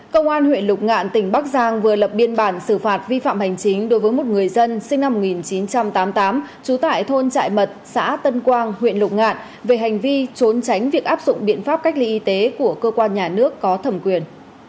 công an huyện lục ngạn tỉnh bắc giang vừa lập biên bản xử phạt vi phạm hành chính đối với một người dân sinh năm một nghìn chín trăm tám mươi tám trú tại thôn trại mật xã tân quang huyện lục ngạn về hành vi trốn tránh việc áp dụng biện pháp cách ly y tế của cơ quan nhà nước có thẩm quyền